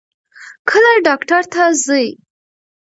کله ډاکټر ته ځې؟